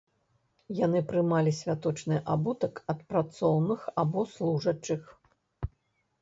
Яны прымалі святочны абутак ад працоўных або служачых.